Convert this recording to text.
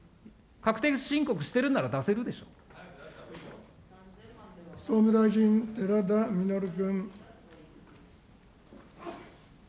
確定申告してるんなら、出せるで総務大臣、寺田稔君。